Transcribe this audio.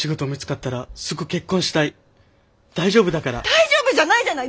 大丈夫じゃないじゃない！